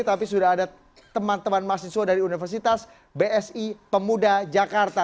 tapi sudah ada teman teman mahasiswa dari universitas bsi pemuda jakarta